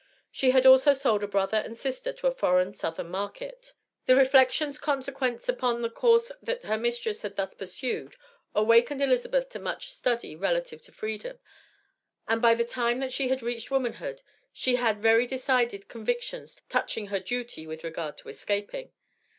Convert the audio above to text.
She had also sold a brother and sister to a foreign southern market. The reflections consequent upon the course that her mistress had thus pursued, awakened Elizabeth to much study relative to freedom, and by the time that she had reached womanhood she had very decided convictions touching her duty with regard to escaping.